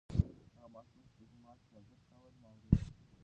هغه ماشوم چې په جومات کې اودس کاوه زما ورور و.